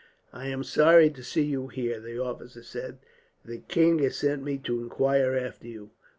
"I am sorry to see you here," the officer said. "The king has sent me to inquire after you."